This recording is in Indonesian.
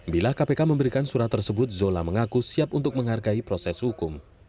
bila kpk memberikan surat tersebut zola mengaku siap untuk menghargai proses hukum